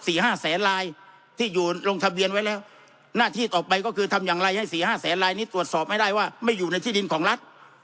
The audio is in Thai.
ห้าแสนลายที่อยู่ลงทะเบียนไว้แล้วหน้าที่ต่อไปก็คือทำอย่างไรให้สี่ห้าแสนลายนี้ตรวจสอบให้ได้ว่าไม่อยู่ในที่ดินของรัฐ